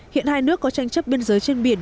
hiện hai nước có tranh chấp biên giới trên biển